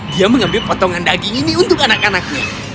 dia mengambil potongan daging ini untuk anak anaknya